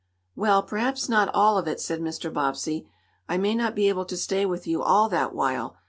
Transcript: "Well, perhaps not all of it," said Mr. Bobbsey. "I may not be able to stay with you all that while.